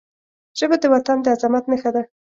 ژبه د وطن د عظمت نښه ده